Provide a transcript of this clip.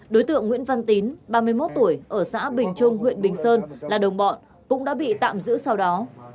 đối tượng nguyễn văn tín ba mươi một tuổi ở xã bình trung huyện bình sơn là đồng bọn cũng đã bị tạm giữ sau đó